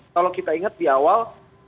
kalau kita ingat di awal